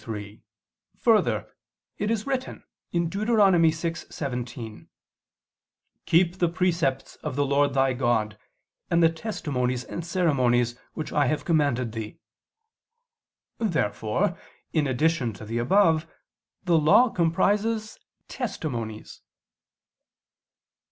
3: Further, it is written (Deut. 6:17): "Keep the precepts of the Lord thy God, and the testimonies and ceremonies which I have [Vulg.: 'He hath'] commanded thee." Therefore in addition to the above, the Law comprises "testimonies."